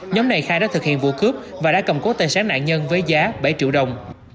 nhóm này khai đã thực hiện vụ cướp và đã cầm cố tài sản nạn nhân với giá bảy triệu đồng